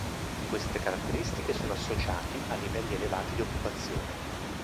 Queste caratteristiche sono associati a livelli elevati di occupazione.